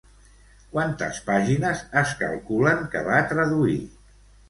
Quantes pàgines es calculen que va traduir?